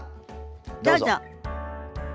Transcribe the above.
どうぞ。